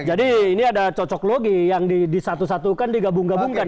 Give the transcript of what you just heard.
jadi ini ada cocok logi yang disatu satukan digabung gabungkan